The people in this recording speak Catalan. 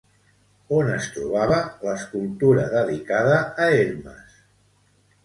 On es trobava l'escultura dedicada a Hermes?